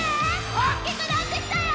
おっきくなってきたよ！